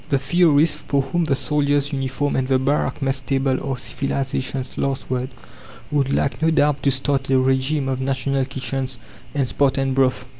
The theorists for whom the soldier's uniform and the barrack mess table are civilization's last word would like no doubt to start a regime of National Kitchens and "Spartan Broth."